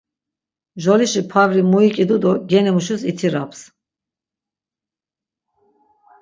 Mjolişi pavri muik̆idu do genimuşis itiraps.